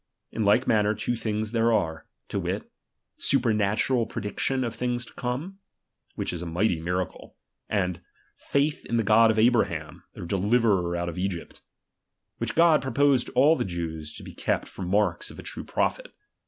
In like manner two things there are ; to wit, supernatural prediction of things to come, which is a mighty miracle ; and faith in the God of Abraham, their deliverer out of Egypt ; which God proposed to all the Jews to be kept for marks of a true prophet.